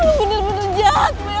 lo bener bener jahat bel